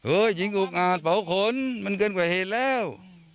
โอ้ยยิงอุบอาดเป่าขนมันเกินกว่าเหตุแล้ว